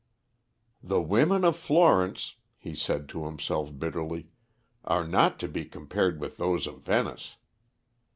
"The women of Florence," he said to himself bitterly, "are not to be compared with those of Venice."